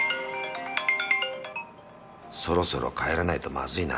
そろそろ帰らないとまずいな